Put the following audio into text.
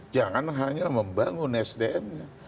jangan hanya membangun sdm nya